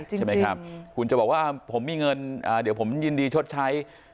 ใช่ไหมครับคุณจะบอกว่าผมมีเงินเดี๋ยวผมยินดีชดใช้